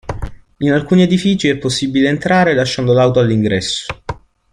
In alcuni edifici è possibile entrare lasciando l'auto all'ingresso.